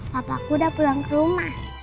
papaku udah pulang ke rumah